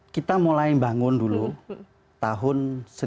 kita mulai bangun dulu tahun seribu sembilan ratus sembilan puluh